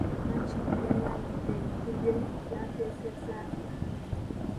Nankindu yayanjudde ebikulu bye baateesezzaako.